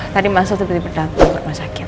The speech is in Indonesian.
tadi masya tiba tiba dateng ke rumah sakit